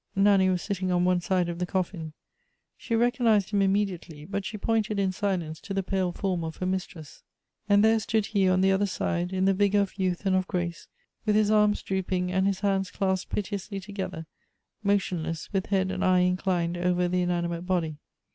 Nanny was sitting on one side of the coffin. She recognized him immediately ; but she pointed in silence to the pale form of her mistress. And there stood he on the other side, in the vigor of youth and of gi ace, with his arms drooping, and his hands clasped piteously together, mo •tionless, with head and eye inclined over the inanimate body.